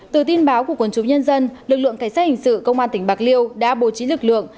từ tin báo của quân chúng nhân dân lực lượng cảnh sát hình sự công an tỉnh bạc liêu đã bố trí lực lượng